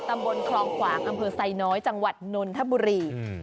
ตำบลคลองขวางอำเภอไซน้อยจังหวัดนนทบุรี